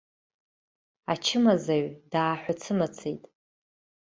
Ачымазаҩ дааҳәыцымыцит.